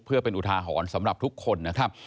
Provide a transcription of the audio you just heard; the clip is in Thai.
เพื่อเป็นอุทาหรณ์สำหรับทุกคนนะครับ